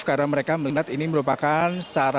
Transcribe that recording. karena mereka melihat ini merupakan searah